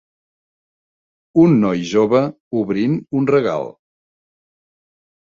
Un noi jove obrint un regal.